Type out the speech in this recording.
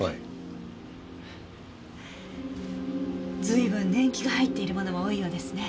随分年季が入っているものも多いようですね。